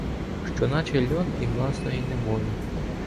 Що наче льон. І власної неволі